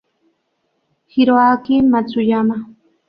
Hiroaki Matsuyama